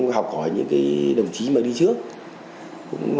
học hỏi những đồng chí mà đi trước